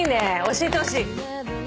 教えてほしい。